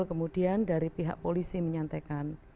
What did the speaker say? kemudian dari pihak polisi menyampaikan